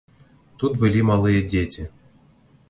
Тут былі малыя дзеці.